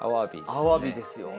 アワビですよ